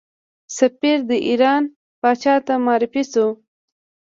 سفیر د ایران پاچا ته معرفي شو.